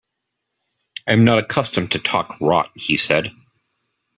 'I am not accustomed to talk rot,' he said.